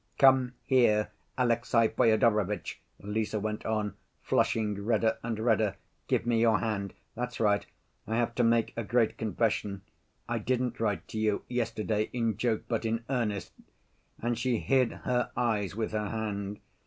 "Come here, Alexey Fyodorovitch," Lise went on, flushing redder and redder. "Give me your hand—that's right. I have to make a great confession, I didn't write to you yesterday in joke, but in earnest," and she hid her eyes with her hand.